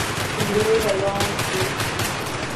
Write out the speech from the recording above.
ورو روان شو.